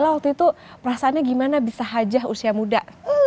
jadi itu perasaannya gimana bisa hajah usia muda